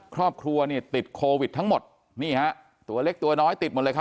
ครอบครัวเนี่ยติดโควิดทั้งหมดนี่ฮะตัวเล็กตัวน้อยติดหมดเลยครับ